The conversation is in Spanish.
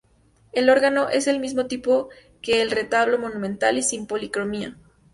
El órgano es del mismo tipo que el retablo, monumental y sin policromía.